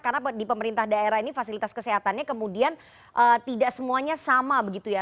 karena di pemerintah daerah ini fasilitas kesehatannya kemudian tidak semuanya sama begitu ya